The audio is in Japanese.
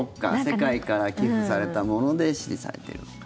世界から寄付されたもので支持されている。